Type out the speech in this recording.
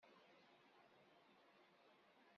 Qeddem-d arraw n Haṛun, Ẓẓels-asen tiqendyar.